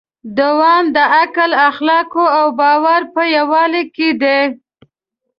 دوام د عقل، اخلاقو او باور په یووالي کې دی.